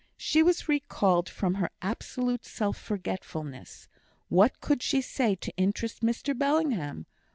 She was recalled from her absolute self forgetfulness. What could she say to interest Mr Bellingham?